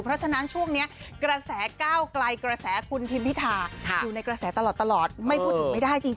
เพราะฉะนั้นช่วงนี้กระแสก้าวไกลกระแสคุณทิมพิธาอยู่ในกระแสตลอดไม่พูดถึงไม่ได้จริง